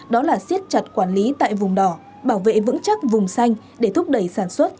đó là siết chặt quản lý tại vùng đỏ bảo vệ vững chắc vùng xanh để thúc đẩy sản xuất